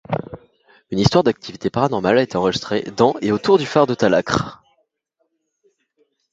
Une histoire d'activité paranormale a été enregistrée dans et autour du phare de Talacre.